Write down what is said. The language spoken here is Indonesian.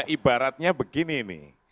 ibaratnya begini nih